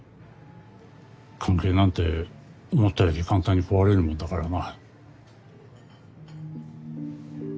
関係なんて思ったより簡単に壊れるもんだからな。